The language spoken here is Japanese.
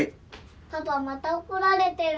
パパまた怒られてる。